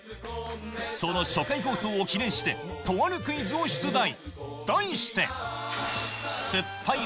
その初回放送を記念してとあるクイズを出題。